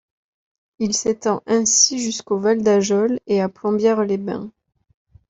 Il s’étend ainsi jusqu’au Val d’Ajol et à Plombières-les-Bains.